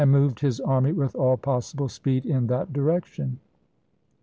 moved his army with all possible speed in that direction.